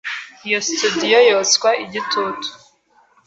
Iyo studio yotswa igitutu